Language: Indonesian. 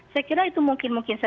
saya kira itu mungkin saja